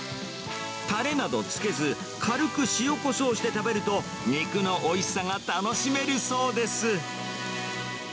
たれなどつけず、軽く塩、こしょうして食べると、肉のおいしさが楽しめるそうです。